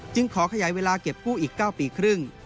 ขอขยายเวลาเก็บกู้อีก๙ปีครึ่ง